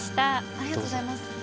ありがとうございます。